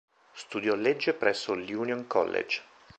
Studiò legge presso l"'Union College".